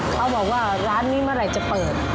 เขาบอกว่าร้านนี้เมื่อไหร่จะเปิด